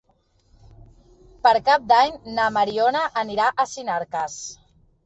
Per Cap d'Any na Mariona anirà a Sinarques.